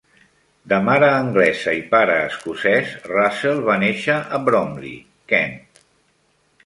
De mare anglesa i pare escocès, Russell va néixer a Bromley, Kent.